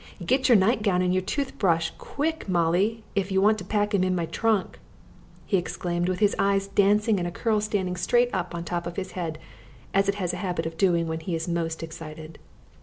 "Git your night gown and your tooth bresh quick, Molly, if you want to pack 'em in my trunk!" he exclaimed with his eyes dancing and a curl standing straight up on the top of his head, as it has a habit of doing when he is most excited.